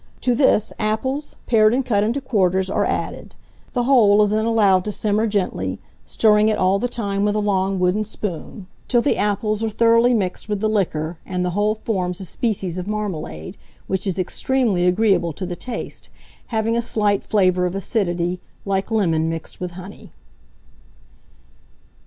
To this apples, pared and cut into quarters, are added; the whole is then allowed to simmer gently, stirring it all the time with a long wooden spoon, till the apples are thoroughly mixed with the liquor, and the whole forms a species of marmalade, which is extremely agreeable to the taste, having a slight flavour of acidity, like lemon mixed with honey.